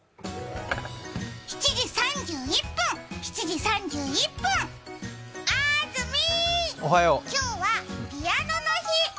７時３１分、７時３１分あずみ、今日はピアノの日。